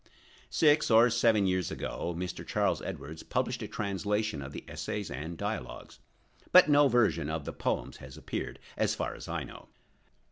Six or seven years ago Mr. Charles Edwards published a translation of the essays and dialogues, but no version of the poems has appeared, so far as I know.